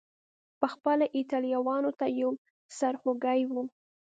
پخپله ایټالویانو ته یو سر خوږی و.